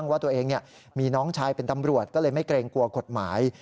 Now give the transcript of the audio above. ว่าตัวเองมีน้องชายเป็นตำรวจก็เลยไม่เกรงกลัวกฎหมาย